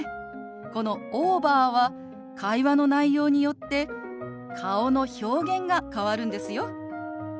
この「オーバー」は会話の内容によって顔の表現が変わるんですよ。